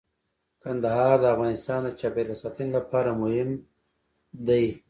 کندهار د افغانستان د چاپیریال ساتنې لپاره مهم دي.